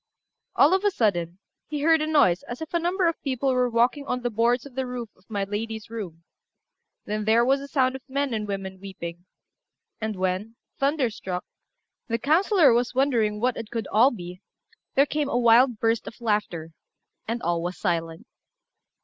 All of a sudden, he heard a noise as if a number of people were walking on the boards of the roof of my lady's room; then there was a sound of men and women weeping; and when, thunderstruck, the councillor was wondering what it could all be, there came a wild burst of laughter, and all was silent.